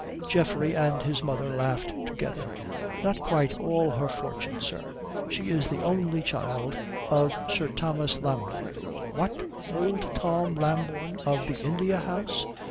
Geoffrey and his mother laughed together. "Not quite all her fortune, sir. She is the only child of Sir Thomas Lambourne." "What! old Tom Lambourne of the India House?"